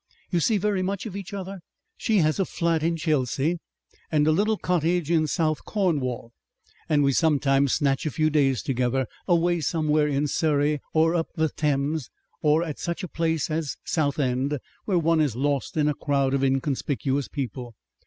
"You see very much of each other?" "She has a flat in Chelsea and a little cottage in South Cornwall, and we sometimes snatch a few days together, away somewhere in Surrey or up the Thames or at such a place as Southend where one is lost in a crowd of inconspicuous people.